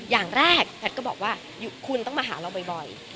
อย่างแรกแพทย์ก็บอกว่าคุณต้องมาหาเราบ่อย